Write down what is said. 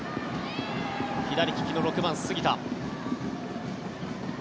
左利きの６番、杉田。